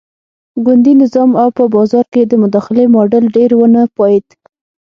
ګوندي نظام او په بازار کې د مداخلې ماډل ډېر ونه پایېد.